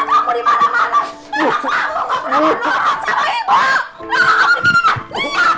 makhlin lihat ini semuanya semua orang ketahu artinya